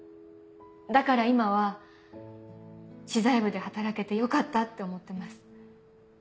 だから今は知財部で働けてよかったって思ってます。